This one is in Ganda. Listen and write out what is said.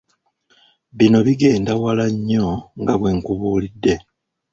Bino bigenda wala nnyo nga bwe nkubuulidde.